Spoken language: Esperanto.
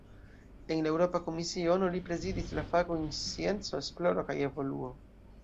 En la Eŭropa Komisiono, li prezidis la fakojn "scienco, esploro kaj evoluo".